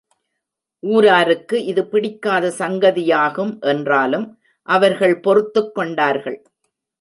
ஊராருக்கு இது பிடிக்காத சங்கதியாகும் என்றாலும் அவர்கள் பொறுத்துக் கொண்டார்கள்.